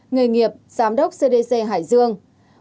nghề nghiệp giám đốc cdc hải dương